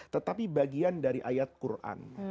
tetapi bagian dari ayat quran